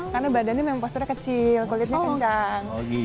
karena badannya memang posturnya kecil kulitnya kencang